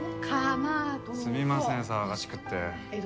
すみません騒がしくって。